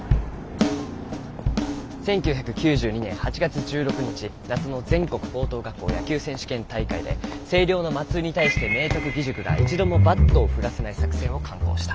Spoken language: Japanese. １９９２年８月１６日夏の全国高等学校野球選手権大会で星稜の松井に対して明徳義塾が一度もバットを振らせない作戦を敢行した。